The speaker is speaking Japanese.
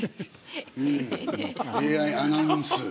ＡＩアナウンス。